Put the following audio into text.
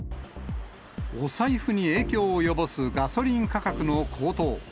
お財布に影響を及ぼすガソリン価格の高騰。